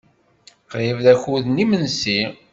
Qrib d akud n yimensi.